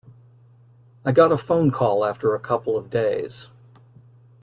I got a phone call after a couple of days.